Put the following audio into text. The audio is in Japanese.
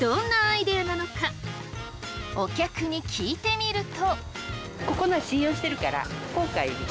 お客に聞いてみると。